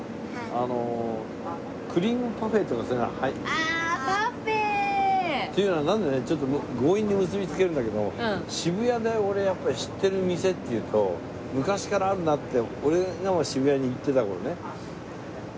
ああパフェ！っていうのはなんでねちょっと強引に結びつけるんだけど渋谷で俺やっぱり知ってる店っていうと昔からあるなって俺が渋谷に行ってた頃ね。